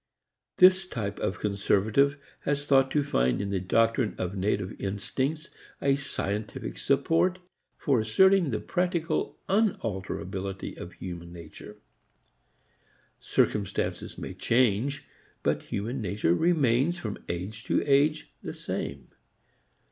This type of conservative has thought to find in the doctrine of native instincts a scientific support for asserting the practical unalterability of human nature. Circumstances may change, but human nature remains from age to age the same.